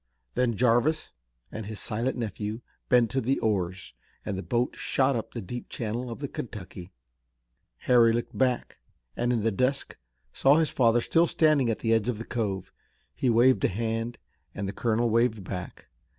Then Jarvis and his silent nephew bent to the oars and the boat shot up the deep channel of the Kentucky. Harry looked back, and in the dusk saw his father still standing at the edge of the cove. He waved a hand and the colonel waved back.